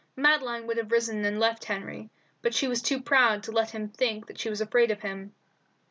Madeline would have risen and left Henry, but she was too proud to let him think that she was afraid of him..